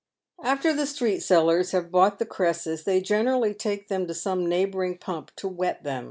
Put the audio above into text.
After the street sellers have bought the cresses, they generally take them to some neighbouring pump to wet them.